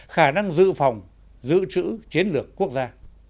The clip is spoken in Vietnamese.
khả năng giữ phòng giữ trữ chiến lược quốc gia